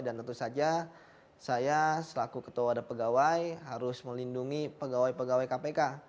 tentu saja saya selaku ketua wadah pegawai harus melindungi pegawai pegawai kpk